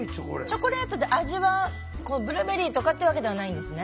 チョコレートで味はブルーベリーとかってわけではないんですね。